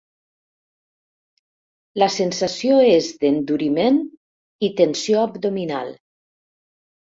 La sensació és d'enduriment i tensió abdominal.